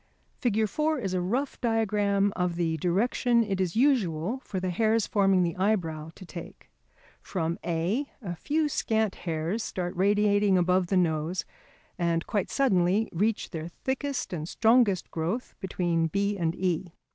Fig. 4 is a rough diagram of the direction it is usual for the hairs forming the eyebrow to take. From A a few scant hairs start radiating above the nose and quite suddenly reach their thickest and strongest growth between B and E.